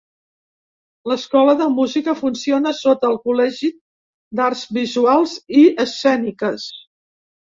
L'Escola de Música funciona sota el Col·legi d'Arts Visuals i Escèniques.